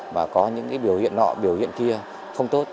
và có những biểu hiện nọ biểu hiện kia không tốt